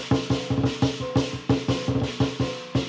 เยี่ยมมาก